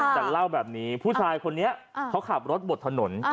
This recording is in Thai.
แต่เล่าแบบนี้ผู้ชายคนนี้เขาขับรถบดถนน